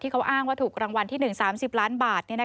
เขาอ้างว่าถูกรางวัลที่๑๓๐ล้านบาท